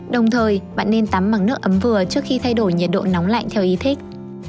đồng thời bạn nên tắm bằng nước ấm vừa trước khi thay đổi nhiệt độ nóng lạnh theo ý thích